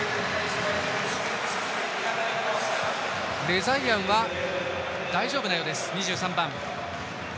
レザイアンは大丈夫なようです